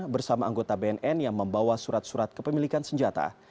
bersama anggota bnn yang membawa surat surat kepemilikan senjata